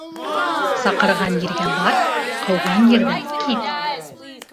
Саҡырған ергә бар, ҡыуған ерҙән кит.